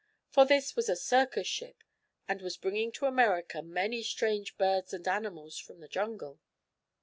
For this was a circus ship, and was bringing to America many strange birds and animals from the jungle.